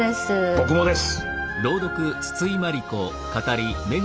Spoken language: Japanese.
僕もです。